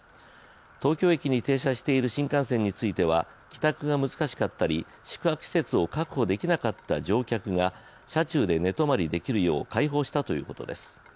東京駅に停車している新幹線については帰宅が難しかったり宿泊施設を確保できなかったりした乗客が車中で寝泊まりできるよう開放したということです。